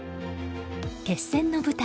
決戦の舞台